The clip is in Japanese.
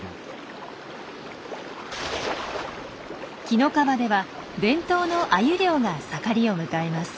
紀の川では伝統のアユ漁が盛りを迎えます。